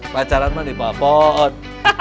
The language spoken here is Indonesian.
pacaran mah di bawah pohon